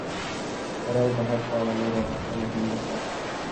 د رایې د حق په اړه نورې غوښتنې هم مطرح شوې.